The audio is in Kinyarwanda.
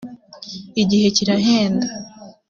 igihe kirahenda.